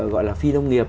gọi là phi nông nghiệp